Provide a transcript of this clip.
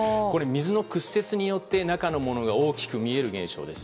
水の屈折によって中のものが大きく見える現象です。